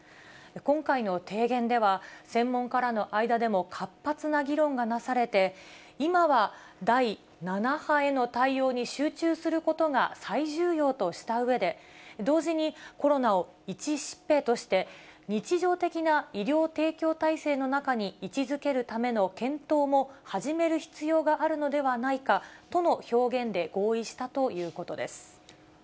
今回の提言では、専門家らの間でも活発な議論がなされて、今は第７波への対応に集中することが最重要としたうえで、同時にコロナを一疾病として、日常的な医療提供体制の中に位置づけるための検討も始める必要があるのではないかとの表現で合意したということです。